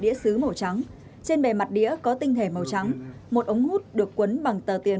đĩa xứ màu trắng trên bề mặt đĩa có tinh thể màu trắng một ống hút được quấn bằng tờ tiền